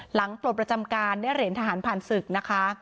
ปลดประจำการได้เหรียญทหารผ่านศึกนะคะ